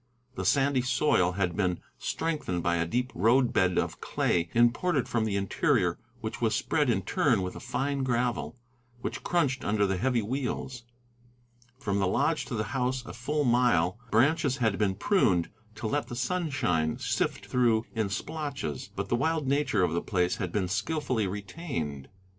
The sandy soil had been strengthened by a deep road bed of clay imported from the interior, which was spread in turn with a fine gravel, which crunched under the heavy wheels. From the lodge to the house, a full mile, branches had been pruned to let the sunshine sift through in splotches, but the wild nature of the place had been skilfully retained.